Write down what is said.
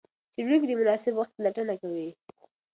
څېړونکي د مناسب وخت پلټنه کوي.